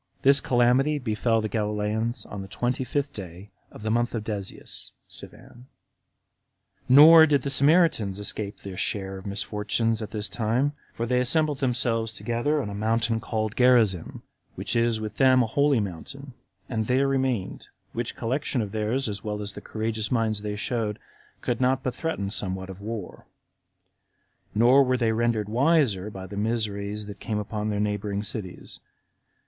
This calamity befell the Galileans on the twenty fifth day of the month Desius [Sivan.] 32. Nor did the Samaritans escape their share of misfortunes at this time; for they assembled themselves together upon the mountain called Gerizzim, which is with them a holy mountain, and there they remained; which collection of theirs, as well as the courageous minds they showed, could not but threaten somewhat of war; nor were they rendered wiser by the miseries that had come upon their neighboring cities.